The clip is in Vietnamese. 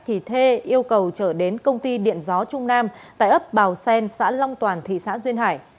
thì thê yêu cầu trở đến công ty điện gió trung nam tại ấp bào sen xã long toàn thị xã duyên hải